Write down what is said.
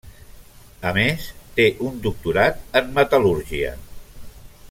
A més té un doctorat en metal·lúrgia.